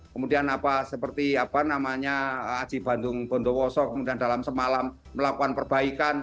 kemudian seperti apa namanya haji bandung bondowoso kemudian dalam semalam melakukan perbaikan